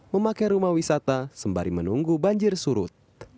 memakai rumah wisata sembari menunggu banjir surut